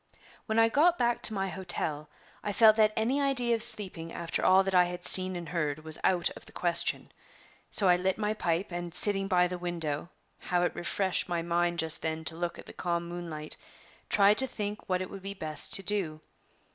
When I got back to my hotel, I felt that any idea of sleeping after all that I had seen and heard was out of the question; so I lit my pipe, and, sitting by the window how it refreshed my mind just then to look at the calm moonlight! tried to think what it would be best to do.